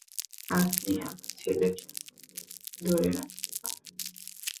আপনি আমার ছেলেকে এখানে ধরে রাখতে পারেন না।